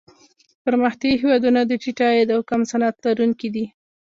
پرمختیايي هېوادونه د ټیټ عاید او کم صنعت لرونکي دي.